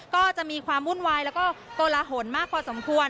ก็จะมีความวุ่นวายแล้วก็โกลหนมากพอสมควร